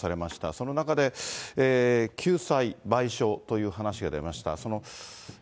その中で救済、賠償という話が出ました。